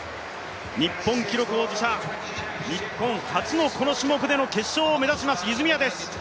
日本記録保持者、日本初のこの種目での決勝を目指します泉谷です。